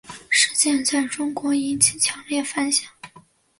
事件在中国引起强烈反响。